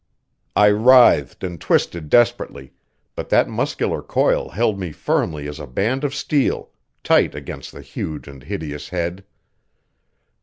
I writhed and twisted desperately, but that muscular coil held me firmly as a band of steel, tight against the huge and hideous head.